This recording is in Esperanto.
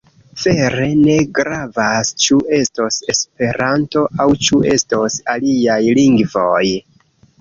Vere ne gravas ĉu estos Esperanto aŭ ĉu estos aliaj lingvoj.